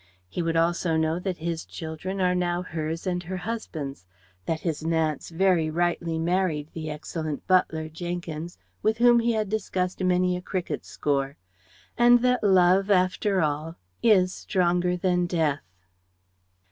He would also know that his children are now hers and her husband's; that his Nance very rightly married the excellent butler, Jenkins, with whom he had discussed many a cricket score; and that Love, after all, is stronger than Death.